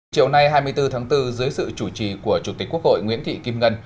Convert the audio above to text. chiều nay hai mươi bốn tháng bốn dưới sự chủ trì của chủ tịch quốc hội nguyễn thị kim ngân